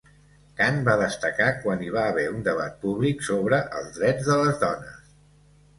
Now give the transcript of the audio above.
Canth va destacar quan hi va haver un debat públic sobre els drets de les dones.